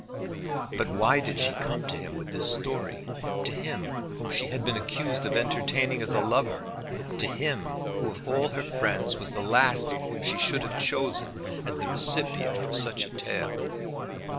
But why did she come to him with this story, to him whom she had been accused of entertaining as a lover; to him who of all her friends was the last whom she should have chosen as the recipient for such a tale?